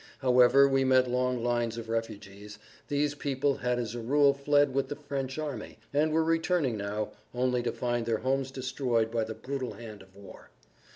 However, we met long lines of refugees. These people had as a rule fled with the French army, and were returning now, only to find their homes destroyed by the brutal hand of war.